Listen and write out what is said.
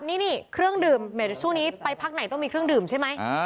นี่เครื่องดื่มช่วงนี้ไปพักไหนต้องมีเครื่องดื่มใช่ไหม